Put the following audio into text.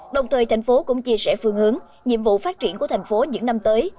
đồng thời thành phố cũng chia sẻ phương hướng nhiệm vụ phát triển của thành phố những năm tới